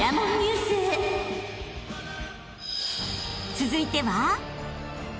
［続いては］